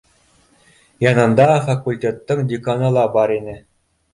Янында факультеттың деканы ла бар ине.